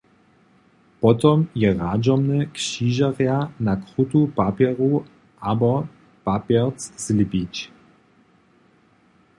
Potom je radźomne, křižerja na krutu papjeru abo papjerc zlěpić.